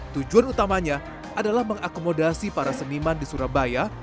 tujuan utamanya adalah mengakomodasi para seniman di surabaya